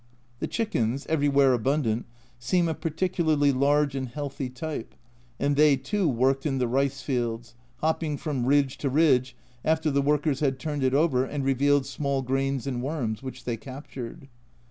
The chickens, everywhere abundant, seem a particularly large and healthy type, and they too worked in the rice fields, hopping from ridge to ridge after the workers had turned it over and revealed small grains and worms, which they captured.